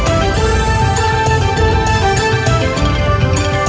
โชว์สี่ภาคจากอัลคาซ่าครับ